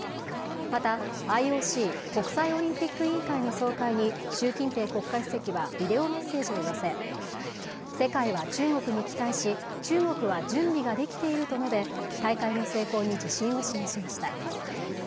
またＩＯＣ＝国際オリンピック委員会の総会に習近平国家主席はビデオメッセージを寄せ世界は中国に対し中国は準備ができていると述べ大会の成功に自信を示しました